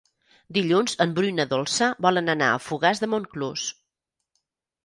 Dilluns en Bru i na Dolça volen anar a Fogars de Montclús.